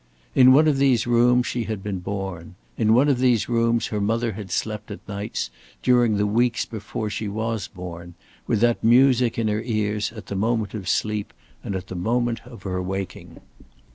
In one of these rooms she had been born. In one of these rooms her mother had slept at nights during the weeks before she was born, with that music in her ears at the moment of sleep and at the moment of her waking.